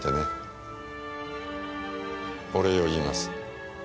お礼を言います。